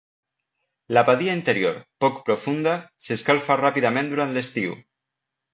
La badia interior, poc profunda, s'escalfa ràpidament durant l'estiu.